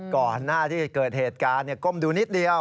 ก่อนหน้าที่เกิดเหตุการณ์ก้มดูนิดเดียว